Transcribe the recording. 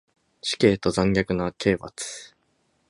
死刑と残虐な刑罰